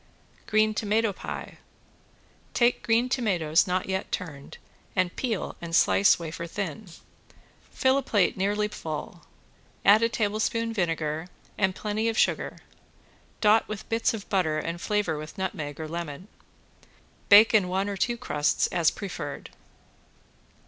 ~GREEN TOMATO PIE~ Take green tomatoes not yet turned and peel and slice wafer thin. Fill a plate nearly full, add a tablespoonful vinegar and plenty of sugar, dot with bits of butter and flavor with nutmeg or lemon. Bake in one or two crusts as preferred.